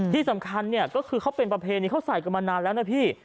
ที่สำคัญเนี่ยก็คือเขาเป็นประเพณีเขาใส่กันมานานแล้วนะพี่